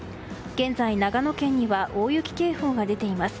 現在、長野県には大雪警報が出ています。